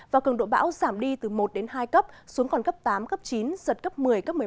và cường độ bão giảm đi từ một đến hai cấp xuống còn cấp tám cấp chín giật cấp một mươi cấp một mươi một